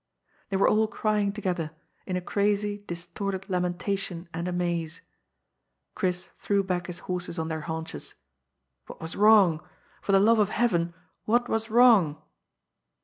They were all crying together, in crazy, distorted lamentation and amaze. Chris threw back his horses on their haunches. What was wrong? For the love of heaven, what was wrong?